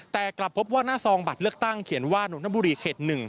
แต่กลับพบว่าหน้าซองบัตรเลือกตั้งเขียนว่านนทบุรีเขต๑